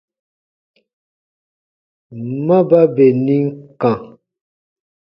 Ma ba bè nim kã.